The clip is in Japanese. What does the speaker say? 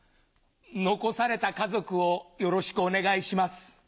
残された家族をよろしくお願いします。